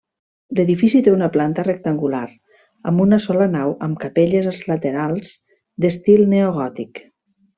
L'edifici té una planta rectangular, amb una sola nau amb capelles als laterals, d'estil neogòtic.